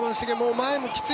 前もきつい。